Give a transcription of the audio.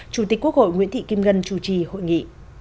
chủ tịch quốc hội nguyễn thị kim ngân chủ trì hội nghị